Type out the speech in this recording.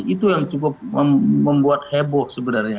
itu yang cukup membuat heboh sebenarnya